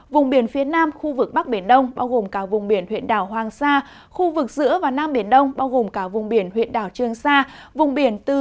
vùng biển phía nam khu vực bắc biển đông bao gồm cả vùng biển huyện đảo hoàng sa